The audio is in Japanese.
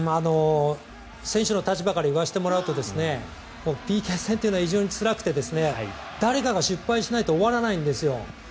選手の立場から言わせてもらうとＰＫ戦というのは非常につらくて誰かが失敗しないと終わらないんですよ。